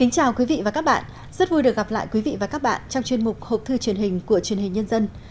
chào mừng quý vị đến với bộ phim học thư truyền hình của chuyên hình nhân dân